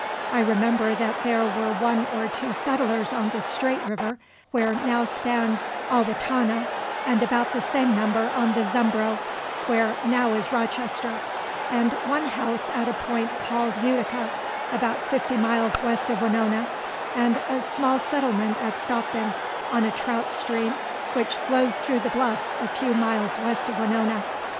I remember that there were one or two settlers on the Straight river, where now stands Owatonna, and about the same number on the Zumbro, where now is Rochester, and one house at a point called Utica, about fifty miles west of Winona, and a small settlement at Stockton, on a trout stream which flows through the bluffs a few miles west of Winona.